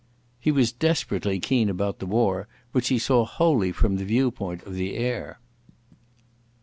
He was desperately keen about the war, which he saw wholly from the viewpoint of the air.